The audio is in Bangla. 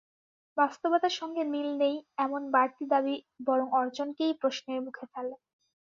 বাস্তবতার সঙ্গে মিল নেই, এমন বাড়তি দাবি বরং অর্জনকেই প্রশ্নের মুখে ফেলে।